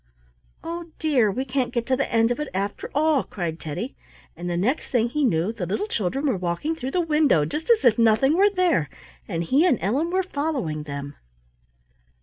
"Oh dear! we can't get to the end of it after all," cried Teddy, and the next thing he knew the little children were walking through the window just as if nothing were there, and he and Ellen were following them.